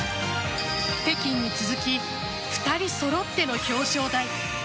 北京に続き２人揃っての表彰台。